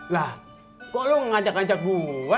lah kok lo ngajak ngajak gua